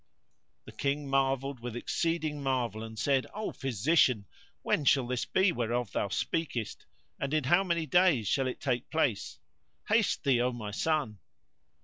The King marvelled with exceeding marvel and said, "O physician, when shall be this whereof thou speakest, and in how many days shall it take place? Haste thee, O my son!"